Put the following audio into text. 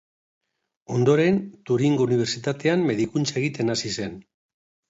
Ondoren, Turingo unibertsitatean medikuntza egiten hasi zen.